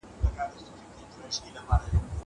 زه بايد پلان جوړ کړم!